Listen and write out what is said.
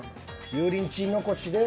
油淋鶏残しで。